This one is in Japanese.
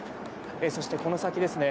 そしてこの先ですね